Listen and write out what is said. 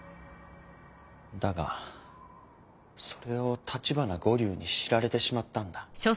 だがそれを橘五柳に知られてしまったんだ。